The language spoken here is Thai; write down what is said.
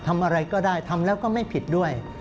ทำอะไรก็ได้ทำแล้วก็ไม่ผิดด้วย